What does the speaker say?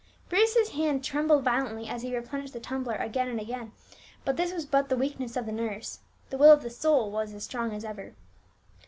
Bruce's hand trembled violently as he replenished the tumbler again and again; but this was but the weakness of the nerves, the will of the soul was as strong as ever.